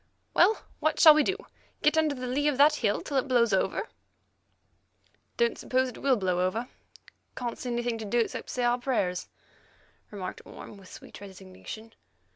"Well, what shall we do? Get under the lee of the hill until it blows over?" "Don't suppose it will blow over. Can't see anything to do except say our prayers," remarked Orme with sweet resignation.